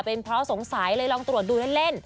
เป็นเพราะสงสัยเลยลองตรวจดูเล่น